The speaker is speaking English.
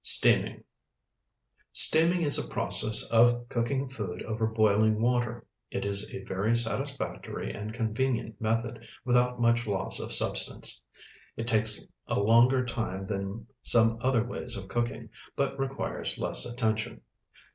STEAMING Steaming is a process of cooking food over boiling water. It is a very satisfactory and convenient method, without much loss of substance. It takes a longer time than some other ways of cooking, but requires less attention.